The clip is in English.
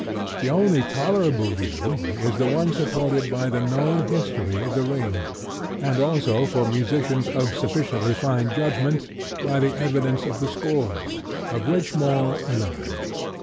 The only tolerable view is the one supported by the known history of The Ring, and also, for musicians of sufficiently fine judgment, by the evidence of the scores; of which more anon.